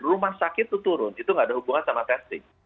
rumah sakit itu turun itu nggak ada hubungan sama testing